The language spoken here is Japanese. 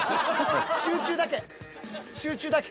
集中だけ。